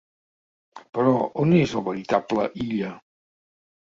Però on és el veritable Illa?